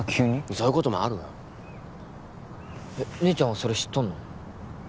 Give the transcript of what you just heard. そういうこともあるわえっ姉ちゃんはそれ知っとんの？